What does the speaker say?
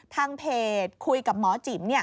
ทางเพจคุยกับหมอจิ๋ม